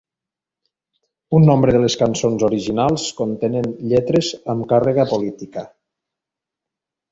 Un nombre de les cançons originals contenen lletres amb càrrega política.